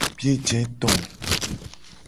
Biye je to.